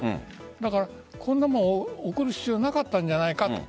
だからこんなものを送る必要なかったんじゃないかって。